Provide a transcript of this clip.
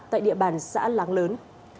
tại địa bàn xã láng lớn